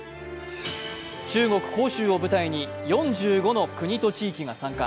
中国・杭州を舞台に４５の国と地域が参加。